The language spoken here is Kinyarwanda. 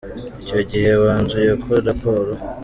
icyo gihe banzuye ko Raporo.